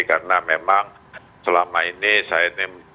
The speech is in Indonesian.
karena memang selama ini saya ini